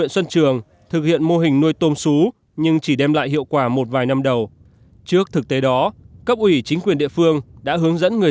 xin chào và hẹn gặp lại